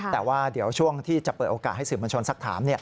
แต่ว่าเดี๋ยวช่วงที่จะเปิดโอกาสให้สื่อมวลชนสักถาม